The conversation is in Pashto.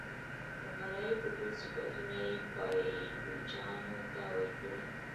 د ملایکو ټول صفتونه یې پایلوچانو ته ورکړي.